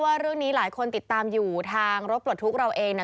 ว่าเรื่องนี้หลายคนติดตามอยู่ทางรถปลดทุกข์เราเอง